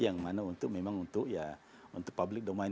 yang mana untuk memang untuk ya untuk public domain